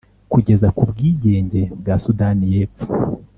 kugeza ku bwigenge bwa sudani y’epfo.